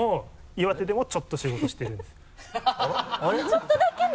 ちょっとだけね。